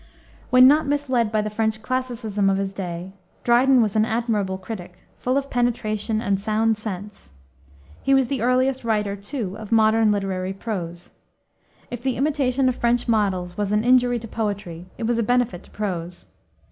When not misled by the French classicism of his day, Dryden was an admirable critic, full of penetration and sound sense. He was the earliest writer, too, of modern literary prose. If the imitation of French models was an injury to poetry it was a benefit to prose.